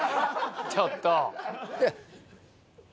ちょっと！